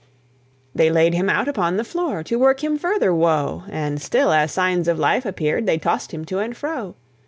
They laid him out upon the floor, To work him further woe; And still as signs of life appeared, They tossed him to and fro.